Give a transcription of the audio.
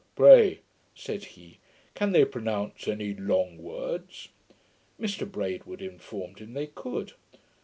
'Pray,' said he, 'can they pronounce any LONG words?' Mr Braidwood informed him they could.